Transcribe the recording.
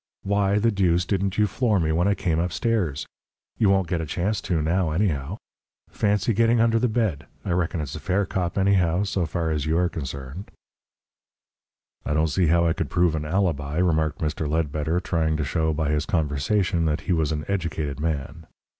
Why the deuce didn't you floor me when I came upstairs? You won't get a chance to now, anyhow. Fancy getting under the bed! I reckon it's a fair cop, anyhow, so far as you are concerned." "I don't see how I could prove an alibi," remarked Mr. Ledbetter, trying to show by his conversation that he was an educated man.